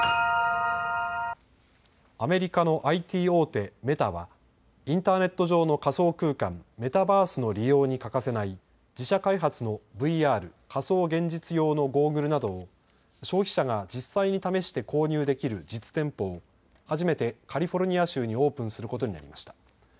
アメリカのＩＴ大手、メタはインターネット上の仮想空間、メタバースの利用に欠かせない自社開発のＶＲ・仮想現実用のゴーグルなどを消費者が実際に試して購入できる実店舗を初めてカリフォルニア州にオープンすることになりました。